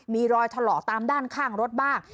มีรอยถลอกตามด้านข้างรถบ้าง